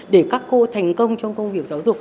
để các cô thành công trong công việc giáo dục